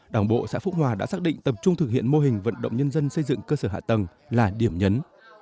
đảng bộ xã phúc hòa đã xác định tập trung thực hiện mô hình vận động nhân dân xây dựng cơ sở hạ tầng là điểm nhấn